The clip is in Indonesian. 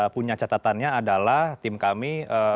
punya catatannya adalah tim kami